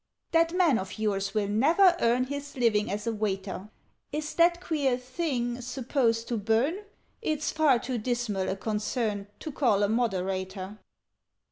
"That man of yours will never earn His living as a waiter! Is that queer thing supposed to burn? (It's far too dismal a concern To call a Moderator).